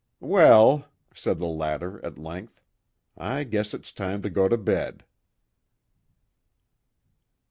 "Well," said the latter at length, "I guess it's time to go to bed."